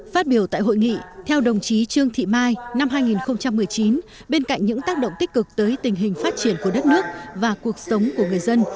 phát biểu tại hội nghị theo đồng chí trương thị mai năm hai nghìn một mươi chín bên cạnh những tác động tích cực tới tình hình phát triển của đất nước và cuộc sống của người dân